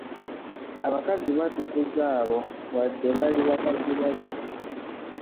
Abakazi baatukuza abo wadde baali bakazi bajja.